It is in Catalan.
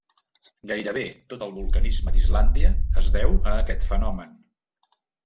Gairebé tot el vulcanisme d'Islàndia es deu a aquest fenomen.